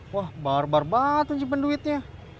wah barbar banget tuh simpen duitnya